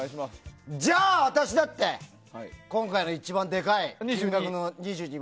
じゃあ、私だって今回の一番でかい金額の２２万。